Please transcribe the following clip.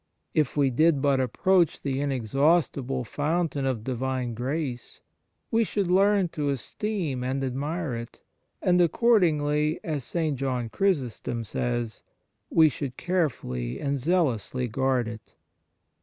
If we did but approach the inexhaustible fountain of Divine grace, we should learn to esteem and admire it, and accordingly, as St. John Chrysostom says, we should carefully and zealously guard it.